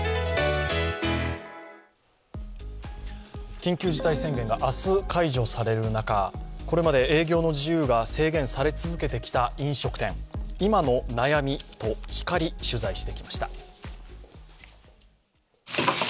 緊急事態宣言が明日、解除される中、これまで営業の自由が制限され続けてきた飲食店、今の悩みと光、取材してきました。